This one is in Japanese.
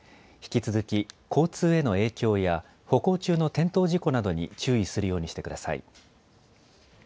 引き続き交通への影響や歩行中の転倒事故などに注意するようにしてください。